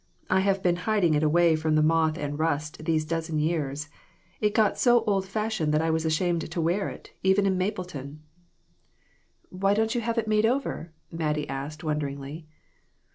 I have been hiding it away from moth and rust these dozen years. It got so old fashioned that I was ashamed to wear it, even in Mapleton." I SO PERSECUTION OF THE SAINTS. "Why don't you have it made over?" Mattie asked, wonderingly.